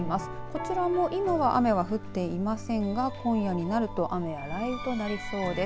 こちらも今は雨は降っていませんが今夜になると雨や雷雨となりそうです。